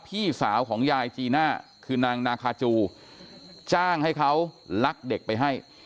พี่สาวของยายจีน่าคือนางนาคาจูจ้างให้เขาลักเด็กไปให้